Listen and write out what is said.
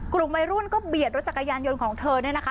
กลุ่มวัยรุ่นก็เบียดรถจักรยานยนต์ของเธอเนี่ยนะคะ